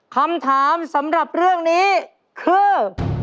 คำถามสำหรับเรื่องนี้คือ